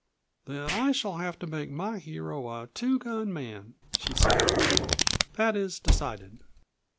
"Then I shall have to make my hero a 'two gun' man," she said. "That is decided.